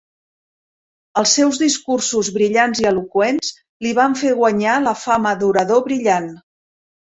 Els seus discursos brillants i eloqüents li van fer guanyar la fama d'orador brillant.